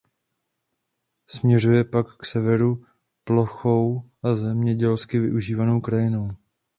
Směřuje pak k severu plochou a zemědělsky využívanou krajinou.